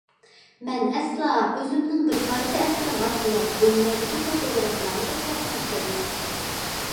مەن ئەسلا ئۆزۈمنىڭ بىر پارچە ئەسىرىم ئارقىلىق دۇنيادىكى فوتوگرافلارنى ئۆزگەرتمەكچى ئەمەس.